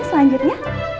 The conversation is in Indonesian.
selamat ulang tahun rena